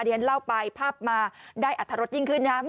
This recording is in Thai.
ดิฉันเล่าไปภาพมาได้อรรถรสยิ่งขึ้นน้ำ